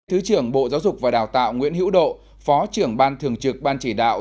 thứ trưởng bộ giáo dục và đào tạo nguyễn hữu độ phó trưởng ban thường trực ban chỉ đạo